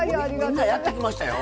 みんなやってきましたよ。